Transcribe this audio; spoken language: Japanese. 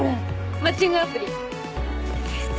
マッチングアプリ。でた。